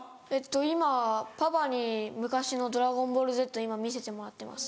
今はパパに昔の『ドラゴンボールＺ』今見せてもらってます。